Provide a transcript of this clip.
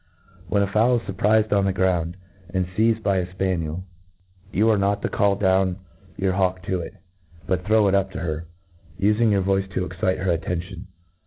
When a fowl is furprifed on the ground, and feized' by a fpaniel, you are not to call down your »l ATREATISEOF your hawk to it, but throw it up to her, ufihg your voice to excite her attention.